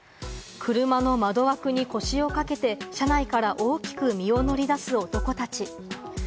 車の窓枠に腰をかけて、車内から大きく身を乗り出す男たち。